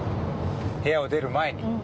部屋を出る前に。